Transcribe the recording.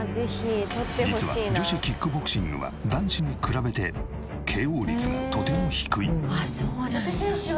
実は女子キックボクシングは男子に比べてＫＯ率がとても低い。